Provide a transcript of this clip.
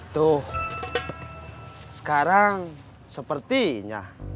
tuh sekarang sepertinya